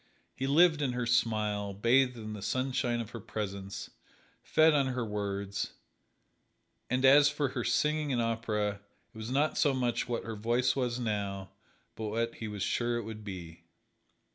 He lived in her smile, bathed in the sunshine of her presence, fed on her words, and as for her singing in opera it was not so much what her voice was now but what he was sure it would be.